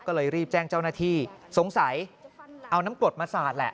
ก็เลยรีบแจ้งเจ้าหน้าที่สงสัยเอาน้ำกรดมาสาดแหละ